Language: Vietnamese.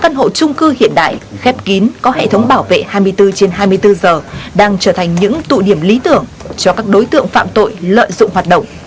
các căn hộ trung cư hiện đại khép kín có hệ thống bảo vệ hai mươi bốn trên hai mươi bốn giờ đang trở thành những tụ điểm lý tưởng cho các đối tượng phạm tội lợi dụng hoạt động